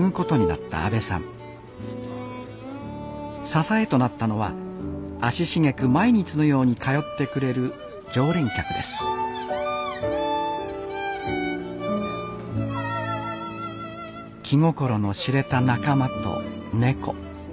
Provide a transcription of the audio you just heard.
支えとなったのは足しげく毎日のように通ってくれる常連客です・気心の知れた仲間と猫。